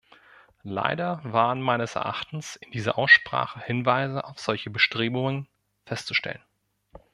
Leider waren meines Erachtens in dieser Aussprache Hinweise auf solche Bestrebungen festzustellen.